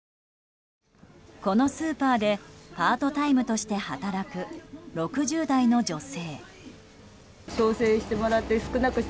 このスーパーでパートタイムとして働く６０代の女性。